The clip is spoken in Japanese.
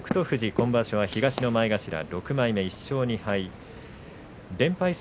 富士、今場所は東の前頭６枚目で１勝２敗。